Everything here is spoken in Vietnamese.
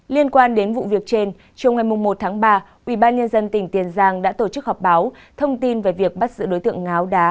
liên quan đến vụ việc trên chiều ngày một tháng ba ubnd tỉnh tiền giang đã tổ chức họp báo thông tin về việc bắt giữ đối tượng ngáo đá